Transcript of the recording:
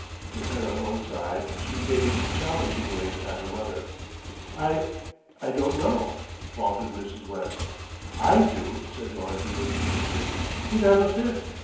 With head on one side she gazed challengingly at her mother. "I I don't know," faltered Mrs. West. "I do," said Dorothy with conviction. "He'd have a fit.